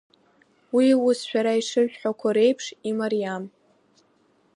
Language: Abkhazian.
Уи ус шәара ишышәҳәақәо реиԥш имариам.